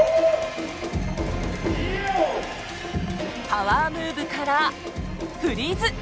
パワームーブからフリーズ。